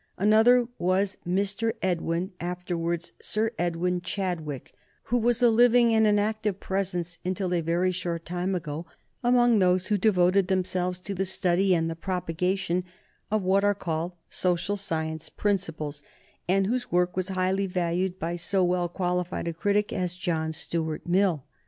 Another was Mr. Edwin (afterwards Sir Edwin) Chadwick, who was a living and an active presence, until a very short time ago, among those who devoted themselves to the study and the propagation of what are called social science principles, and whose work was highly valued by so well qualified a critic as John Stuart Mill.